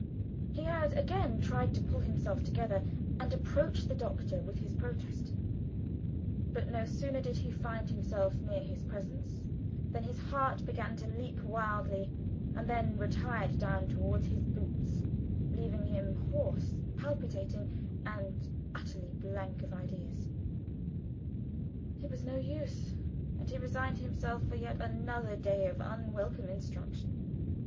He had again tried to pull himself together and approach the Doctor with his protest, but no sooner did he find himself near his presence than his heart began to leap wildly and then retired down towards his boots, leaving him hoarse, palpitating, and utterly blank of ideas. It was no use and he resigned himself for yet another day of unwelcome instruction.